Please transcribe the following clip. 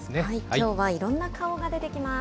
きょうはいろんな顔が出てきます。